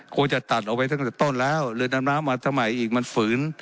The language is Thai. ควรจะตัดเอาไว้ตั้งแต่ต้นแล้วเรือดำน้ำมาทำไมอีกมันฝืน